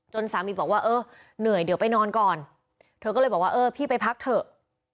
สามีบอกว่าเออเหนื่อยเดี๋ยวไปนอนก่อนเธอก็เลยบอกว่าเออพี่ไปพักเถอะ